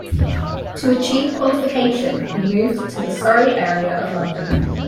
To achieve qualification, he moved to the Surrey area of London.